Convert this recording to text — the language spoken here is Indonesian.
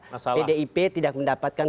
pdip tidak mendapatkan